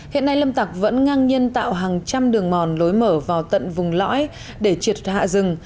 hiện nay lâm tặc vẫn ngang nhiên tạo hàng trăm đường mòn lối mở vào tận vùng lõi để triệt hạ rừng